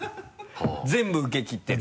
全部受けきって？